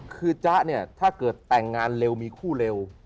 คือจ๊ะเนี่ยถ้าเกิดแต่งงานเร็วมีคู่เร็ว